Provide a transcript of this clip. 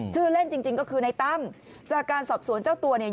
ชื่อเล่นจริงจริงก็คือในตั้มจากการสอบสวนเจ้าตัวเนี่ย